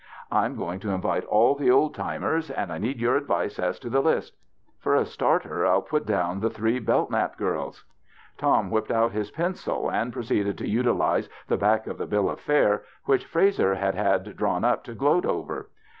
I'm 3 34 THE BACHELOR'S CHRISTMAS going to invite all the old timers, and I need your advice as to the list. For a starter I'll put down the three Bellknap girls." Tom whipped out his pencil and proceeded to utilize the back of the bill of fare which Frazer had had drawn up to gloat over.